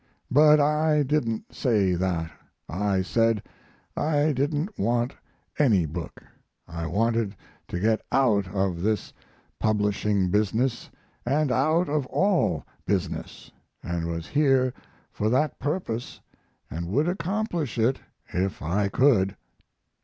But I didn't say that. I said I didn't want any book; I wanted to get out of this publishing business & out of all business & was here for that purpose & would accomplish it if I could.